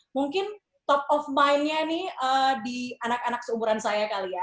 mungkin top of mind nya nih di anak anak seumuran saya kali ya